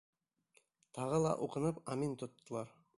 Тағы ла уҡынып амин тоттолар.